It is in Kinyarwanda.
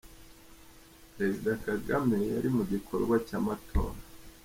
Perezida Kagame yari mu gikorwa cy’Amatora